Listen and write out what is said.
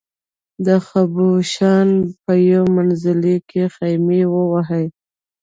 د خبوشان په یو منزلي کې خېمې ووهلې.